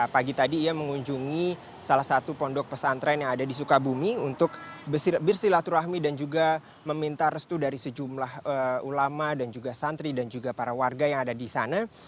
pagi tadi ia mengunjungi salah satu pondok pesantren yang ada di sukabumi untuk bersilaturahmi dan juga meminta restu dari sejumlah ulama dan juga santri dan juga para warga yang ada di sana